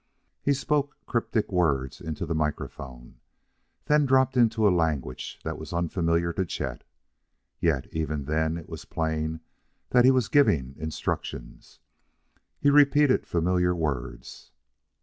He spoke cryptic words into the microphone, then dropped into a language that was unfamiliar to Chet. Yet, even then, it was plain that he was giving instructions, and he repeated familiar words.